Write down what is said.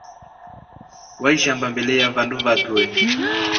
Waishamba mbele ya vandu vatrue.